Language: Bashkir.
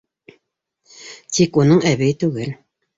Тик уның әбейе түгел.